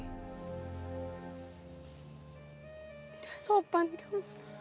tidak sopan kamu